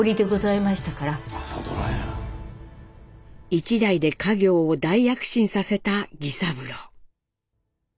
一代で家業を大躍進させた儀三郎。